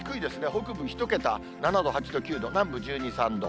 北部１桁、７度、８度、９度、南部１２、３度。